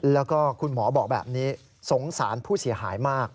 แล้วก็คุณหมอบอกแบบนี้สงสารผู้เสียหายมาก